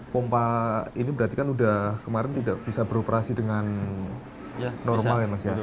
pompa ini berarti kan udah kemarin tidak bisa beroperasi dengan normal ya mas ya